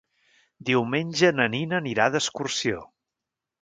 Diumenge na Nina anirà d'excursió.